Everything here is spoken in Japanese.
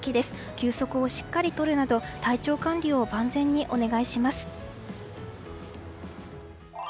休息をしっかりとるなど体調管理を万全にお願いします。